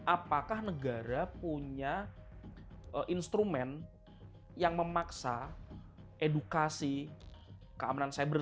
apakah negara punya instrumen yang memaksa edukasi keamanan cyber